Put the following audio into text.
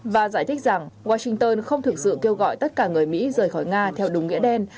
và giải thích rằng washington không thực sự kêu gọi tất cả người mỹ rời khỏi nga theo đúng nghĩa đen